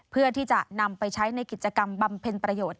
เพื่อที่จะนำไปใช้ในกิจกรรมบำเพ็ญประโยชน์